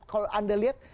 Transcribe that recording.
kalau anda lihat